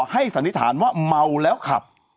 ให้สันิทานว่าเมาแล้วขับ